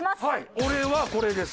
俺はこれです。